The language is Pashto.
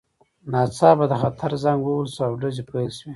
ناڅاپه د خطر زنګ ووهل شو او ډزې پیل شوې